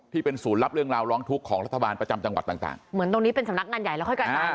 ที่เป็นศูนย์รับเรื่องราวร้องทุกข์ของรัฐบาลประจำจังหวัดต่างต่างเหมือนตรงนี้เป็นสำนักงานใหญ่แล้วค่อยกระจาย